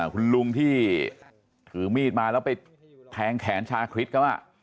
คุณลุงที่ถือมีดมาแล้วไปแทงแขนชาคริสเขา